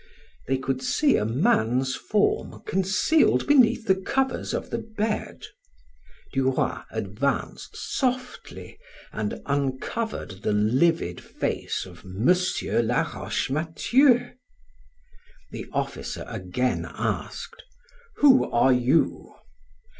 They could see a man's form concealed beneath the covers of the bed. Du Roy advanced softly and uncovered the livid face of M. Laroche Mathieu. The officer again asked: "Who are you?"